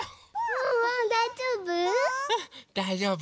ワンワンだいじょうぶ？